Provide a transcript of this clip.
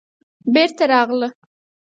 بېرته راغله.